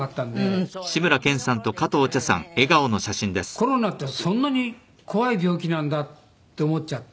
コロナってそんなに怖い病気なんだって思っちゃって。